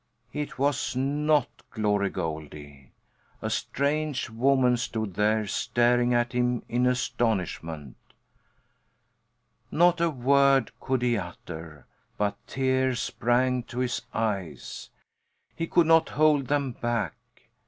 It was not Glory Goldie! A strange woman stood there, staring at him in astonishment. Not a word could he utter, but tears sprang to his eyes; he could not hold them back.